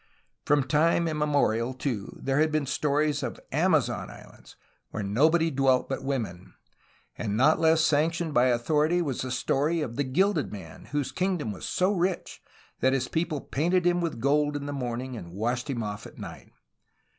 From time immemorial, too, there had been stories of Amazon islands, — where nobody dwelt but women, — and not less sanctioned by authority was the story of the gilded man, whose kingdom was so rich that his people painted him with gold in the morning and 48 A HISTORY OF CALIFORNIA washed him off at night.